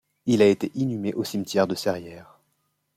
Il a été inhumé au cimetière de Serrières.